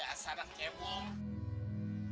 ya sangat kemur